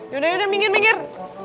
yaudah yaudah minggir minggir